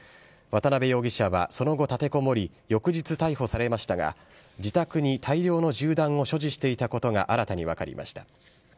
渡辺容疑者はその後、立てこもり、翌日逮捕されましたが、自宅に大量の銃弾を所持していたことが新たに分かりました。